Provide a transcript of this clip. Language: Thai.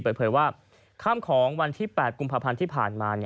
เปิดเผยว่าข้ามของวันที่๘กุมภพรรณที่ผ่านมา